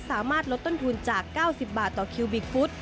สามารถลดต้นทุนจาก๙๐บาทต่อคิวบิกฟุต